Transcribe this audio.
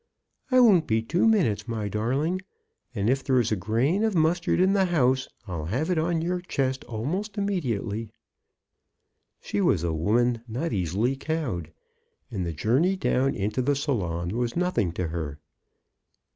" I won't be two minutes, my darling; and if there is a grain of mustard in the house, I'll have it on your chest almost immediately." She was a woman not easily cowed, and the journey down into the salon was nothing to her.